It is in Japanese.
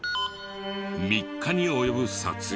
３日に及ぶ撮影。